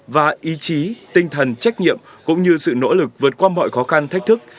và ý chí tinh thần trách nhiệm cũng như sự nỗ lực vượt qua mọi khó khăn thách thức